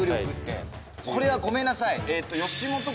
これはごめんなさい。